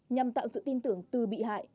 nhằm tạo sự tin tưởng từ bị hại